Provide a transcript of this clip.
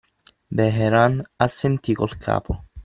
Vehrehan assentí col capo.